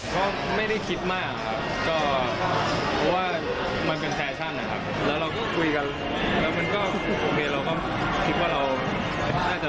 ก็ไม่ได้คิดมากค่ะ